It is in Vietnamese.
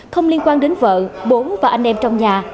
không liên quan đến vợ bốn và anh em trong nhà